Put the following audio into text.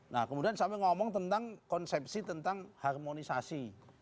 nah kemudian sampai ngomong tentang konsepsi tentang harmonisasi